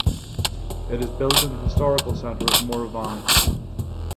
It is built in the historical center of Moravany.